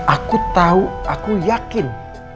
aku tau aku yakin